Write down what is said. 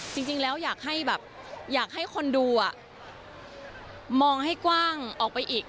จริงแล้วอยากให้แบบอยากให้คนดูมองให้กว้างออกไปอีก